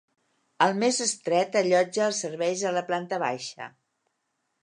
El més estret allotja els serveis a la planta baixa.